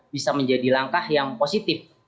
bisa menjadi langkah yang positif